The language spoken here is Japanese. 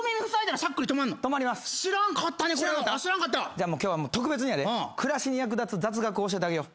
じゃあ今日は特別にやで暮らしに役立つ雑学教えてあげよう。